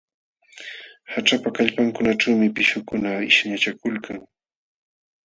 Haćhapa kallmankunaćhuumi pishqukuna qishnachakulkan.